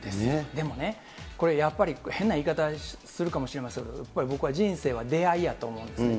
でもね、これ、やっぱり変な言い方するかもしれませんけど、やっぱり僕は人生が出会いやと思うんですね。